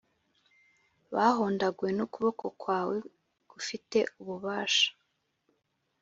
bahondaguwe n’ukuboko kwawe gufite ububasha;